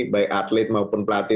baik atlet maupun pelatih